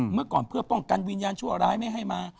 เมื่อก่อนเพื่อป้องกันวิญญาณชั่วร้ายไม่ให้มา